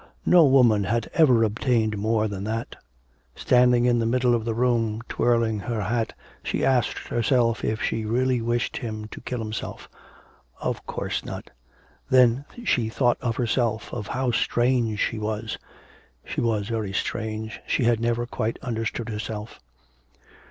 No woman had ever obtained more than that. Standing in the middle of the room, twirling her hat, she asked herself if she really wished him to kill himself. Of course not. Then she thought of herself, of how strange she was. She was very strange, she had never quite understood herself.